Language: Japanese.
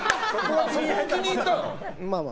そこを気に入ったの？